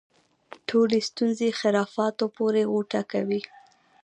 ټولې ستونزې خرافاتو پورې غوټه کوي.